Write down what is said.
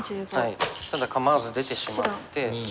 ただ構わず出てしまって。